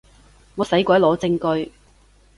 我使鬼攞證據